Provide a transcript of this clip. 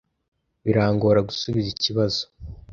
Birangora gusubiza ikibazo.